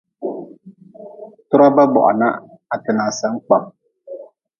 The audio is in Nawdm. Toraba boha na ha ti nan sen kpam.